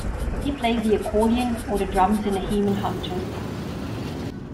He plays the accordion or the drums in the Heman Hunters.